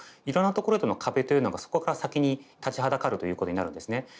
いろんなところとの壁というのがそこから先に立ちはだかるということになるんですね。